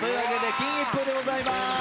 金一封でございまーす！